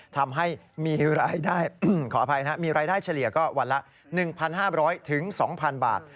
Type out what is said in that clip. ทำให้มีรายได้เฉลี่ยก็วันละ๑๕๐๐ถึง๒๐๐๐บาท